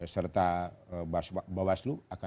serta bawaslu akan membantu kita